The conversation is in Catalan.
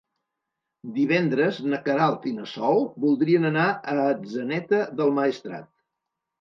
Divendres na Queralt i na Sol voldrien anar a Atzeneta del Maestrat.